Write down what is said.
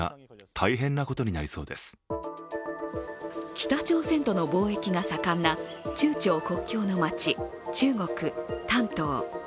北朝鮮との貿易が盛んな中朝国境の街、中国・丹東。